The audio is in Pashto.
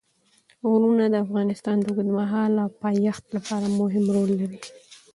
غرونه د افغانستان د اوږدمهاله پایښت لپاره مهم رول لري.